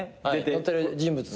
載ってる人物の。